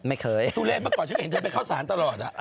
ไม่เคยทุเลศเมื่อก่อนฉันเห็นเธอไปเข้าสารตลอด